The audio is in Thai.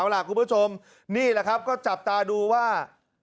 เอาล่ะคุณผู้ชมนี่แหละครับก็จับตาดูว่า